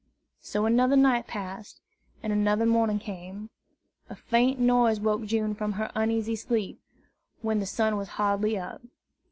So another night passed, and another morning came. A faint noise woke June from her uneasy sleep, when the sun was hardly up.